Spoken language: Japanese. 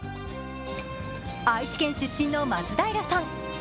愛知県出身の松平さん。